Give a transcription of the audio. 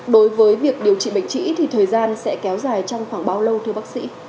đối với việc điều trị bệnh trĩ thì thời gian sẽ kéo dài trong khoảng bao lâu thưa bác sĩ